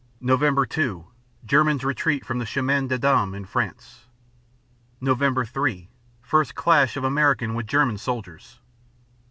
Nov. 2 Germans retreat from the Chemin des Dames, in France. _Nov. 3 First clash of American with German soldiers.